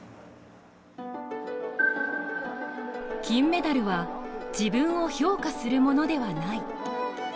金メダルは自分を評価するものではない。